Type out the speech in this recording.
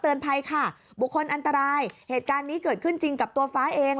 ภัยค่ะบุคคลอันตรายเหตุการณ์นี้เกิดขึ้นจริงกับตัวฟ้าเอง